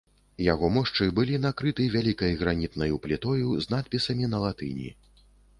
Яго мошчы былі накрыты вялікай гранітнай плітою з надпісамі на латыні.